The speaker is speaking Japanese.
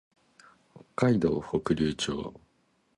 北海道北竜町